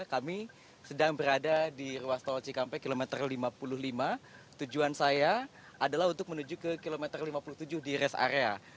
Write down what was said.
kami sedang berada di ruas tol cikampek kilometer lima puluh lima tujuan saya adalah untuk menuju ke kilometer lima puluh tujuh di rest area